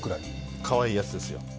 かわいいやつですよ。